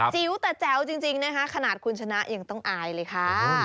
จิ๋วแต่แจ๋วจริงนะคะขนาดคุณชนะยังต้องอายเลยค่ะ